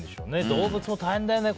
動物も大変だよね